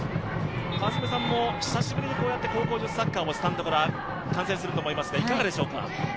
川澄さんも久しぶりにこうやって高校女子サッカーをスタンドから観戦すると思いますが、いかがでしょうか。